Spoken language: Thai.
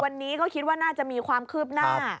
วันนี้ก็คิดว่าน่าจะมีความคืบหน้า